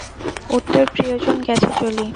উত্তর প্রিয়জন গেছে চলি।